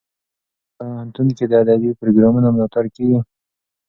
ایا په پوهنتون کې د ادبي پروګرامونو ملاتړ کیږي؟